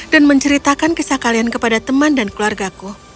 dan menceritakan kisah kalian kepada teman dan keluarga ku